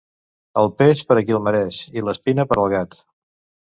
El peix, per a qui el mereix i l'espina, per al gat.